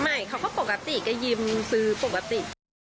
ไม่เขาก็ปกติก็ยืมซื้อปกติ